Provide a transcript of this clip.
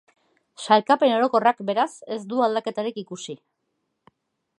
Sailkapen orokorrak, beraz, ez du aldaketarik ikusi.